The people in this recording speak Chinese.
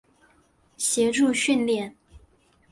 协助训练。